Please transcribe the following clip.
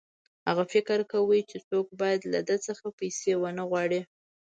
هغه فکر کاوه چې څوک باید له ده څخه پیسې ونه غواړي